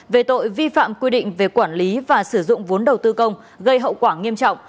về tội vi phạm quy định về quản lý và sử dụng vốn đầu tư công gây hậu quả nghiêm trọng